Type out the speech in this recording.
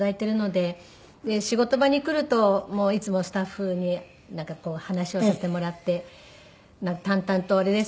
で仕事場に来るといつもスタッフになんかこう話をさせてもらって淡々とあれですけど。